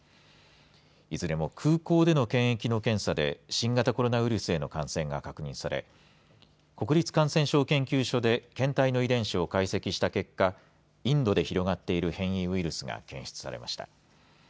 いずれも空港での検疫の検査で新型コロナウイルスへの感染が確認され国立感染症研究所で検体の遺伝子を解析した結果インドで広がっている変異ウイルスが検出されました。